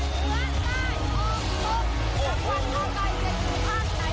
สุดท้ายสุดท้าย